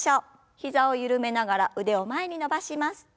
膝を緩めながら腕を前に伸ばします。